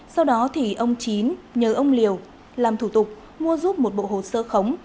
sau đó thì ông chín nhờ ông liều làm thủ tục mua giúp một bộ hồ sơ khống